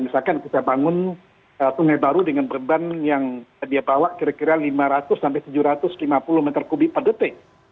misalkan kita bangun sungai baru dengan beban yang dia bawa kira kira lima ratus sampai tujuh ratus lima puluh meter kubik per detik